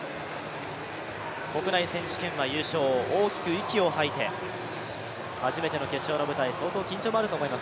国内選手権は優勝、大きく息を吐いて初めての決勝の舞台相当緊張もあると思います。